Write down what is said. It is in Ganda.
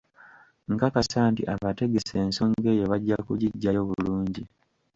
Nkakasa nti abategesi ensonga eyo bajja kugiggyayo bulungi.